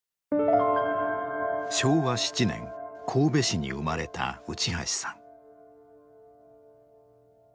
昭和７年神戸市に生まれた内橋さん。